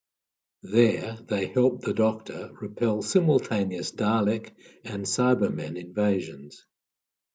There, they help the Doctor repel simultaneous Dalek and Cybermen invasions.